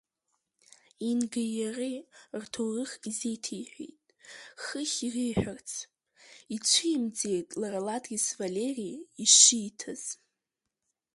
Ингеи иареи рҭаарых изеиҭеиҳәеит, хыхь иреиҳәарц, ицәимӡеит лара ладрес Валери ишииҭаз.